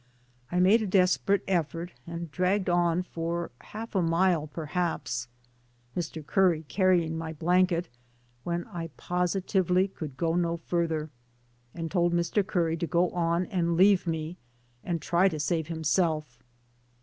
I made a desperate effort, and dragged on for half a mile perhaps, Mr. Curry carrying my blanket, when I positively could go no further, and told Mr. Curry to go on and leave me and try to save himself.